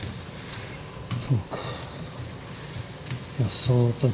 そうか。